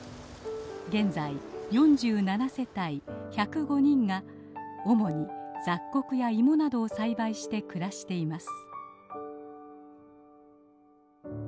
現在４７世帯１０５人が主に雑穀や芋などを栽培して暮らしています。